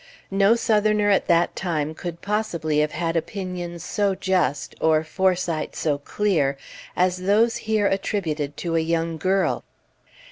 No Southerner at that time could possibly have had opinions so just or foresight so clear as those here attributed to a young girl.